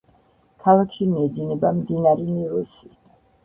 ქალაქში მიედინება მდინარე ნილოსი.